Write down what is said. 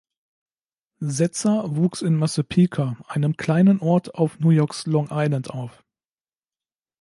Setzer wuchs in Massapequa, einem kleinen Ort auf New Yorks Long Island, auf.